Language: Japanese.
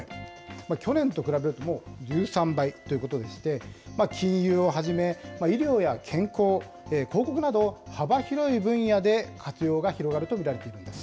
去年と比べるともう１３倍ということでして、金融をはじめ、医療や健康、広告など幅広い分野で活用が広がると見られているんです。